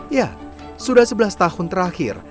ya sudah sebelas tahun terakhir